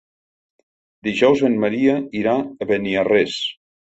Dijous en Maria irà a Beniarrés.